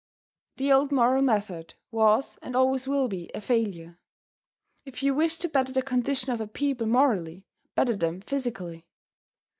The old moral method was and always will be a failure. If you wish to better the condition of a people morally, better them physically.